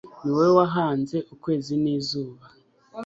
ni wowe wahanze ukwezi n’izuba